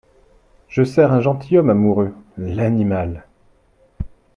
Je sers un gentilhomme amoureux, — l’animal !